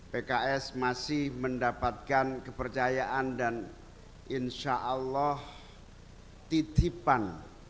pks masih mendapatkan kepercayaan dan insyaallah titipan